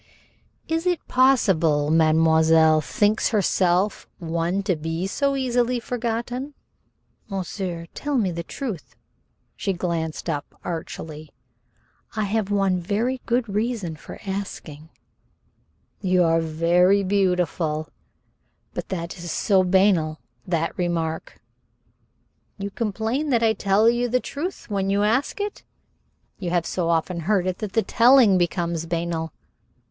"Is it possible mademoiselle thinks herself one to be so easily forgotten?" "Monsieur, tell me the truth." She glanced up archly. "I have one very good reason for asking." "You are very beautiful." "But that is so banal that remark." "You complain that I tell you the truth when you ask it? You have so often heard it that the telling becomes banal?